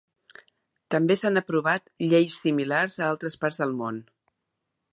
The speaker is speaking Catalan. També s'han aprovat lleis similars a altres parts del món.